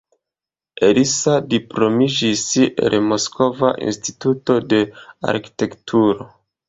Elsa diplomiĝis el Moskva Instituto de Arkitekturo.